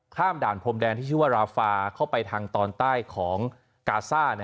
ด่านพรมแดนที่ชื่อว่าราฟาเข้าไปทางตอนใต้ของกาซ่า